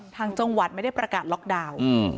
ทางจังหวัดไม่ได้ประกาศล็อกดาวน์